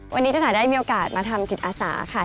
วันนี้จ้าจ๋าได้มีโอกาสมาทำจิตอาสาค่ะ